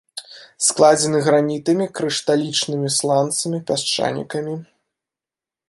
Складзены гранітамі, крышталічнымі сланцамі, пясчанікамі.